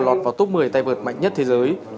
lọt vào top một mươi tay vợt mạnh nhất thế giới